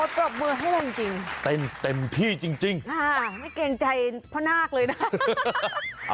อ๋อจับมือให้จริงเต็มที่จริงไม่เกรงใจพ่อนาคเลยนะครับ